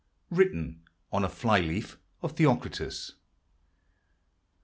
WRITTEN ON A FLY LEAF OF THEOCRITUS.